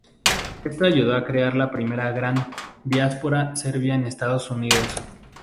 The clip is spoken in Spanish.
Esto ayudó a crear la primera gran diáspora serbia en Estados Unidos.